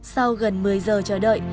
sau gần một mươi giờ chờ đợi